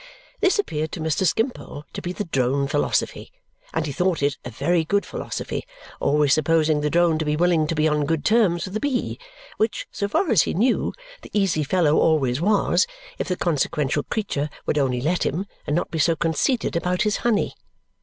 This appeared to Mr. Skimpole to be the drone philosophy, and he thought it a very good philosophy, always supposing the drone to be willing to be on good terms with the bee, which, so far as he knew, the easy fellow always was, if the consequential creature would only let him, and not be so conceited about his honey!